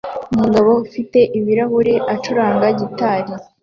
Umugabo ufite ibirahuri acuranga gitari